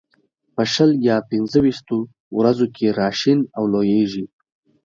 په شل یا پنځه ويشتو ورځو کې را شین او لوېږي.